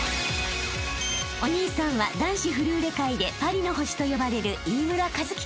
［お兄さんは男子フルーレ界でパリの星と呼ばれる］